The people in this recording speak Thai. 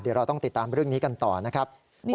เดี๋ยวเราต้องติดตามเรื่องนี้กันต่อนะครับ